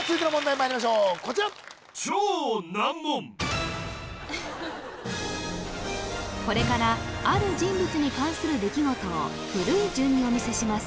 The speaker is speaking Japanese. まいりましょうこちらこれからある人物に関する出来事を古い順にお見せします